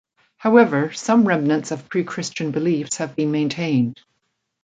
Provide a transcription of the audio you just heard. However, some remnants of pre-Christian beliefs have been maintained.